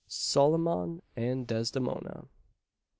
SOLOMON AND DESDEMONA.